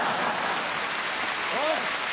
おい！